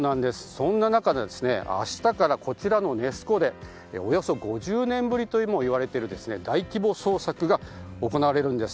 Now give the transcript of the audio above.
そんな中、明日からこちらのネス湖でおよそ５０年ぶりともいわれる大規模捜索が行われるんです。